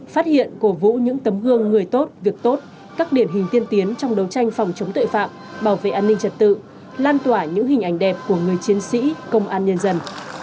phát hiện cổ vũ những tấm gương người tốt việc tốt các điển hình tiên tiến trong đấu tranh phòng chống tội phạm bảo vệ an ninh trật tự lan tỏa những hình ảnh đẹp của người chiến sĩ công an nhân dân